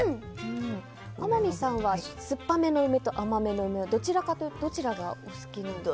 天海さんは、酸っぱめの梅と甘めの梅どちらかというとどちらがお好きなんですか？